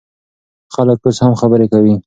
خلک اوس هم خبرې کوي.